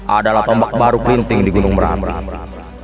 adalah tombak baru pinting di gunung merapi